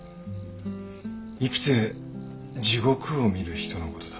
生きて地獄を見る人のことだ。